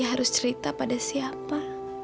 harus cerita pada siapa